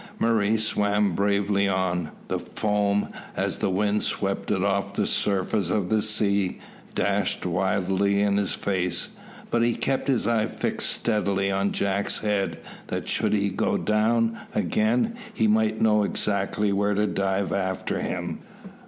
Murray swam bravely on. The foam, as the wind swept it off the surface of the sea, dashed wildly in his face, but he kept his eye fixed steadily on Jack's head, that should he go down again, he might know exactly where to dive after him.